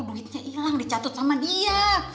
duitnya hilang dicatut sama dia